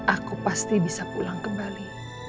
aku pasti bisa pulang kembali